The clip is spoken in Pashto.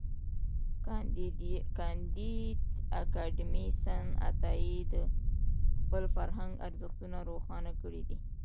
کانديد اکاډميسن عطايي د خپل فرهنګ ارزښتونه روښانه کړي دي.